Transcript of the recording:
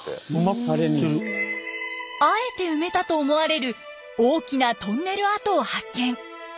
あえて埋めたと思われる大きなトンネル跡を発見。